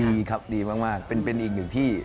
ดีครับดีมากเป็นอีกหนึ่งที่